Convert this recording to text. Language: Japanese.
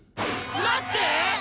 待って！